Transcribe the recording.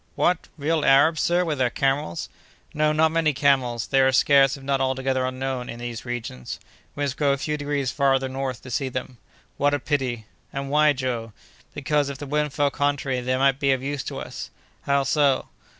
"What! real Arabs, sir, with their camels?" "No, not many camels; they are scarce, if not altogether unknown, in these regions. We must go a few degrees farther north to see them." "What a pity!" "And why, Joe?" "Because, if the wind fell contrary, they might be of use to us." "How so?"